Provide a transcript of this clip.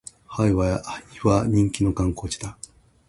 ハワイは人気の観光地だ